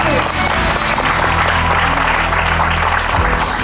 ถูกครับ